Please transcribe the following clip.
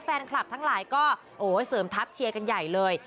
แฟนคลับทั้งหลายก็เสริมทัพเชียร์กันใหญ่เลย